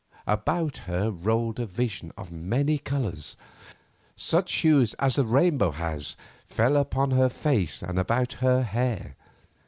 About her rolled a vision of many colours, such hues as the rainbow has fell upon her face and about her hair.